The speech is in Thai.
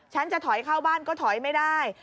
จะถอยเข้าบ้านก็ถอยไม่ได้